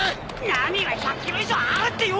ナミは１００キロ以上あるってよ。